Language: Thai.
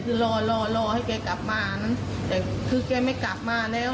คือรอรอให้แกกลับมานะแต่คือแกไม่กลับมาแล้ว